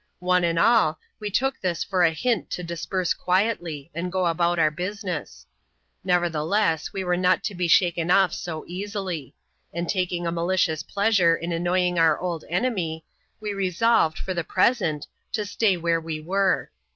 One and all, we took this for a hint to disp«zie quietly, and go about our business. Nevertheless, we were not to be shaken off so easily ; and taking a malicious pleasureii annoying our old enemy, we resolved, for the present, to st^ where we were.